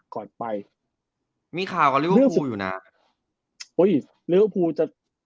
ก่อนไปมีค่าว่าเรียกว่าผู้อยู่นะหุ้ยเรียกว่าผู้จะ